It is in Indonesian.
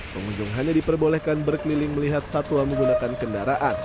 pengunjung hanya diperbolehkan berkeliling melihat satwa menggunakan kendaraan